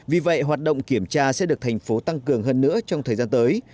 vì vậy hoạt động kiểm tra sẽ được thành phố tăng cường hơn nữa trong thời gian tới